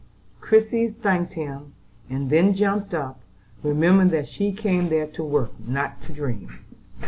Christie thanked him, and then jumped up, remembering that she came there to work, not to dream.